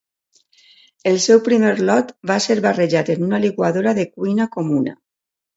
El seu primer lot va ser barrejat en una liquadora de cuina comuna.